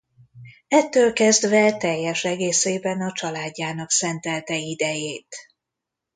Ettől kezdve teljes egészében a családjának szentelte idejét.